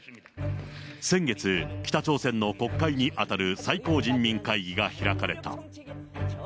先月、北朝鮮の国会に当たる最高人民会議が開かれた。